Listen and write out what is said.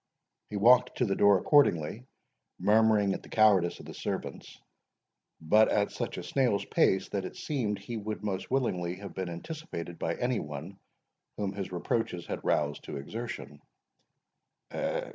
He walked to the door accordingly, murmuring at the cowardice of the servants; but at such a snail's pace, that it seemed he would most willingly have been anticipated by any one whom his reproaches had roused to exertion.